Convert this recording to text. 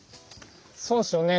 そうですよね